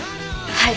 はい！